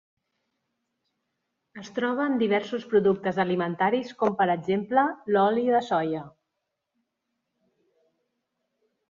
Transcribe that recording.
Es troba en diversos productes alimentaris com per exemple l'oli de soia.